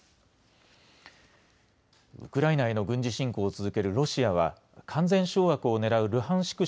ウクライナへの軍事侵攻を続けるロシアは完全掌握をねらうルハンシク